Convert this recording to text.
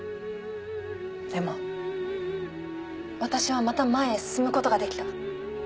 でも私はまた前へ進む事ができた。